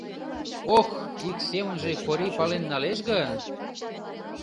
Ох, ик семынже Корий пален налеш гын?